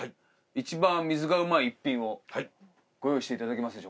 一番水がうまい一品をご用意していただけますでしょうか？